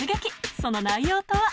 その内容とは？